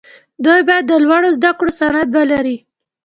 دوی باید د لوړو زدکړو سند ولري.